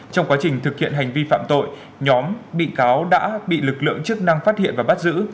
trong quá trình thực hiện hành vi phạm tội nhóm bị cáo đã bị lực lượng chức năng phát hiện và bắt giữ